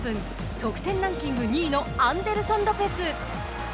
得点ランキング２位のアンデルソン・ロペス。